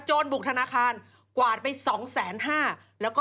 โจรบุคธนาคารกวาดไป๒แสน๕แล้วก็